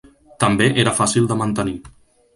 També era fàcil de mantenir.